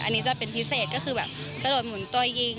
อันนี้จะเป็นพิเศษก็คือแบบกระโดดหมุนตัวยิง